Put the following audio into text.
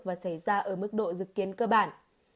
và xảy ra ở mức độ dự kiến cơ bản